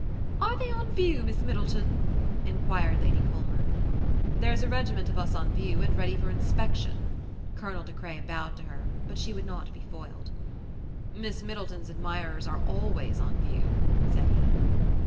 "Are they on view, Miss Middleton?" inquired Lady Culmer. "There's a regiment of us on view and ready for inspection." Colonel De Craye bowed to her, but she would not be foiled. "Miss Middleton's admirers are always on view." said he.